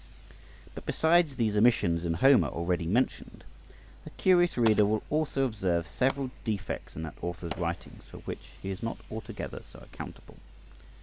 But besides these omissions in Homer already mentioned, the curious reader will also observe several defects in that author's writings for which he is not altogether so accountable.